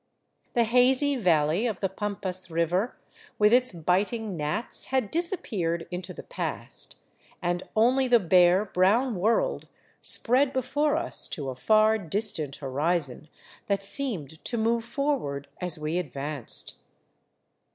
The hazy valley of the Pampas river with its biting gnats had dis appeared into the past, and only the bare, brown world spread before us to a far distant horizon that seemed to move forward as we ad vanced.